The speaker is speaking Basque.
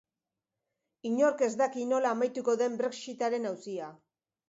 Inork ez daki nola amaituko den brexitaren auzia.